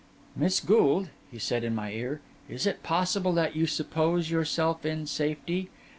'Miss Gould,' he said in my ear, 'is it possible that you suppose yourself in safety?